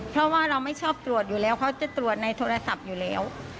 เพราะว่าเราไม่ชอบตรวจอยู่แล้วเขาจะตรวจในโทรศัพท์อยู่แล้ว